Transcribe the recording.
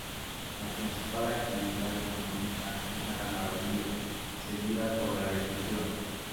La principal actividad económica es la ganadería, seguida por la agricultura.